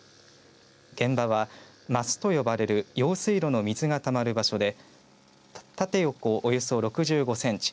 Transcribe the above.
現場は、升と呼ばれる用水路の水がたまる場所で縦横およそ６５センチ